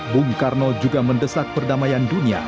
bung karno juga mendesak perdamaian dunia